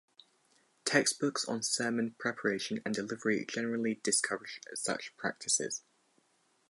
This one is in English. Textbooks on sermon preparation and delivery generally discourage such practices.